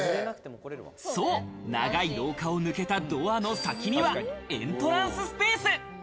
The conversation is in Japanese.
長い廊下を抜けたドアの先には、エントランススペース。